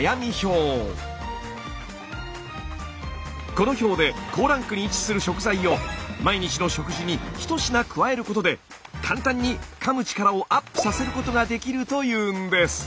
この表で高ランクに位置する食材を毎日の食事に１品加えることで簡単にかむ力をアップさせることができるというんです。